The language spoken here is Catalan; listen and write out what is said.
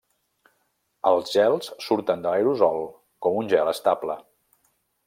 Els gels surten de l'aerosol com un gel estable.